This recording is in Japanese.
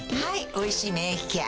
「おいしい免疫ケア」